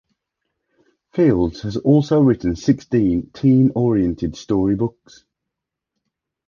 Fields has also written sixteen teen-oriented story books.